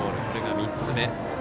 これが３つ目。